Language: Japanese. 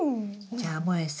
じゃあもえさん